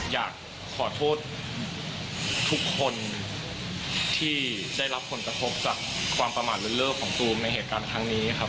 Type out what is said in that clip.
อยากขอโทษทุกคนที่ได้รับผลกระทบจากความประมาทรุ้นเลิฟของตูมในเหตุการณ์ครั้งนี้ครับ